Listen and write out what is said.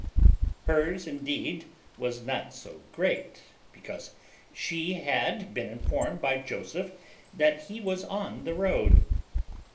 Hers indeed was not so great, because she had been informed by Joseph that he was on the road.